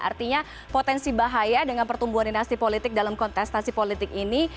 artinya potensi bahaya dengan pertumbuhan dinasti politik dalam kontestasi politik ini